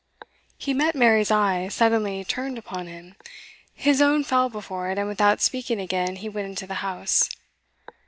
He met Mary's eye, suddenly turned upon him. His own fell before it, and without speaking again he went into the house.